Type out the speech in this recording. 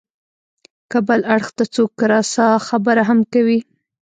که بل اړخ ته څوک راسا خبره هم کوي.